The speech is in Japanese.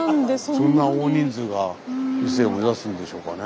そんな大人数が伊勢を目指すんでしょうかね。